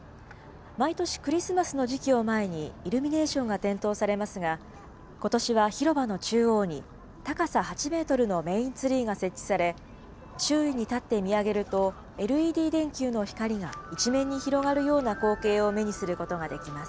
毎年クリスマスの時期を前にイルミネーションが点灯されますが、ことしは広場の中央に、高さ８メートルのメインツリーが設置され、周囲に立って見上げると、ＬＥＤ電球の光が一面に広がるような光景を目にすることができます。